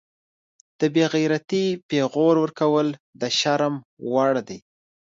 د بیغیرتۍ پیغور ورکول د شرم وړ دي